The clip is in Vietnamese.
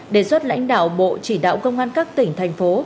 đề xuất lãnh đạo bộ chỉ đạo công an các tỉnh thành phố